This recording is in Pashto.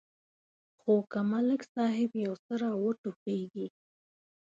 خو که ملک صاحب یو څه را وټوخېږي.